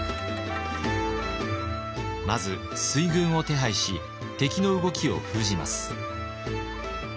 まず水軍を手配し敵の動きを封じます。